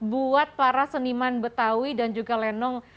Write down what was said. buat para seniman betawi dan juga lenong